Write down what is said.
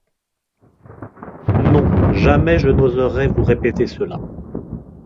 Non, jamais je n’oserai vous répéter cela.